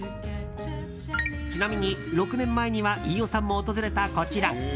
ちなみに６年前には飯尾さんも訪れたこちら。